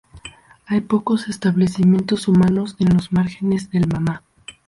Hay pocos establecimientos humanos en los márgenes del Mama.